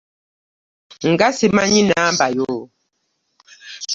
Nga simanyi namba yo.